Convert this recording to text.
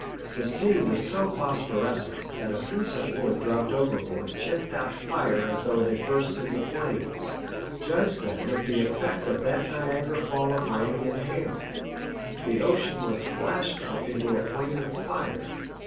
The sea was so phos phorescent that a piece of wood dropped overboard chipped out fire as though it had burst into flames. Judge then of the effect of that Niagara fall of rain and hail! The ocean was flashed up into a plain of fire.